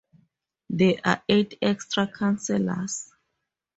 There are eight extra councillors.